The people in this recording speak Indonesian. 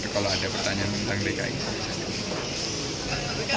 tapi kalau ada pertanyaan tentang dki saya bisa memberikan